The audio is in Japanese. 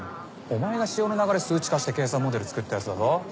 お前が潮の流れを数値化して計算モデル作ったやつだぞ？